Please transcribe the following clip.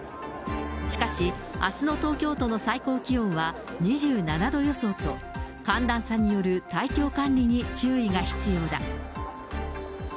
しかし、あすの東京都の最高気温は２７度予想と、寒暖差による体調管理に注意が必要だ。